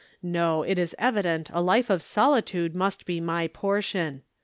No, it is evident a life of solitude must be my portion.